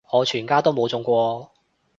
我全家都冇中過